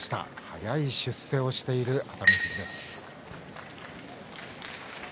早い出世をしている熱海富士です。